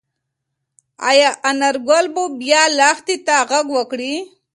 ايا انارګل به بیا لښتې ته غږ وکړي؟